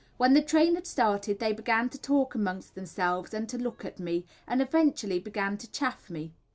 When the train had started they began to talk amongst themselves, and to look at me, and eventually began to chaff me.